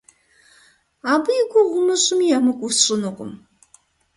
Абы и гугъу умыщӏми, емыкӏу усщӏынукъым.